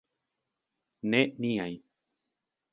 Ne niaj!